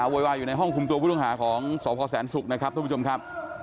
โวยวายอยู่ในห้องคุมตัวผู้ต้องหาของสพแสนศุกร์นะครับทุกผู้ชมครับ